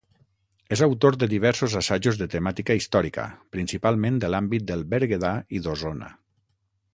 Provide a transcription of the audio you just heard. És autor de diversos assajos de temàtica històrica, principalment de l'àmbit del Berguedà i d'Osona.